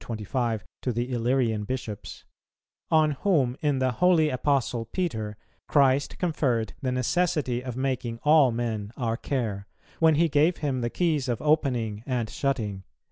425), to the Illyrian Bishops, "on whom, in the holy Apostle Peter, Christ conferred the necessity of making all men our care, when He gave him the Keys of opening and shutting."